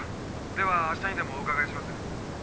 ではあしたにでもお伺いします。